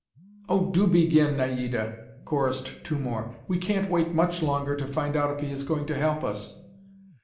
"Oh, do begin, Naida," chorused two more. "We can't wait much longer to find out if he is going to help us!"